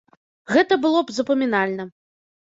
Гэта было б запамінальна.